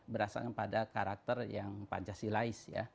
berasal daripada karakter yang pancasilais